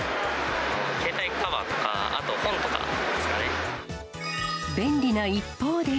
携帯カバーとか、便利な一方で。